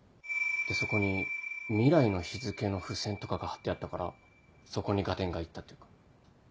でそこに未来の日付の付箋とかが貼ってあったからそこに合点がいったっていうか。